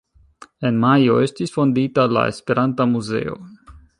En Majo estis fondita la Esperanta Muzeo.